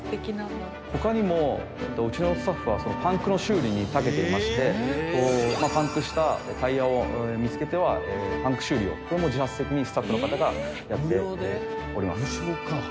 他にもうちのスタッフはパンクの修理にたけていましてパンクしたタイヤを見つけてはパンク修理をこれも自発的にスタッフの方がやっております。